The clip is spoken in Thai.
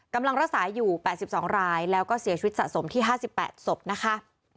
กำลังรักษาอยู่๘๒รายแล้วก็เสียชีวิตสะสมที่๕๘ศพนะคะ